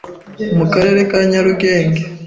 mu karere ka Nyarugenge